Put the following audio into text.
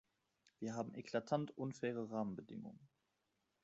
Wir haben eklatant unfaire Rahmenbedingungen!